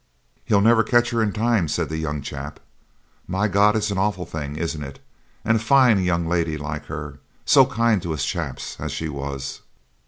'He'll never catch her in time,' said the young chap. 'My God! it's an awful thing, isn't it? and a fine young lady like her so kind to us chaps as she was.'